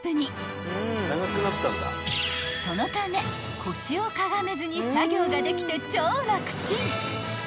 ［そのため腰をかがめずに作業ができて超楽ちん］